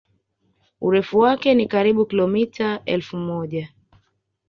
Urefu wake ni karibu kilomIta elfu moja